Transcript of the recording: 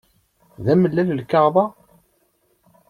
D amellal lkaɣeḍ-a?